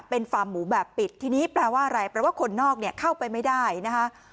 เป็นฟาร์มหมูแบบปิดทีนี้แปลว่าอะไรแปลว่าคนนอกเนี่ยเข้าไปไม่ได้นะคะ